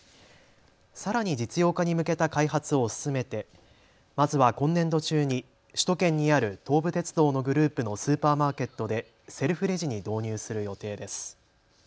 さらに実用化に向けた開発を進めてまずは今年度中に首都圏にある東武鉄道のグループのスーパーマーケットでセルフレジに導入する予定です。